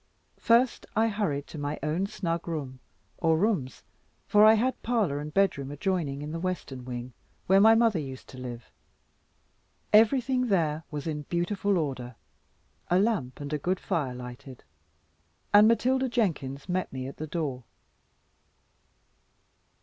First I hurried to my own snug room, or rooms for I had parlour and bedroom adjoining in the western wing, where mother used to live. Everything there was in beautiful order, a lamp and a good fire lighted; and Matilda Jenkins met me at the door.